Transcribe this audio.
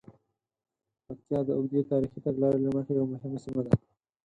پکتیا د اوږدې تاریخي تګلارې له مخې یوه مهمه سیمه ده.